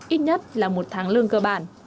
ít nhất là một tháng lương cơ bản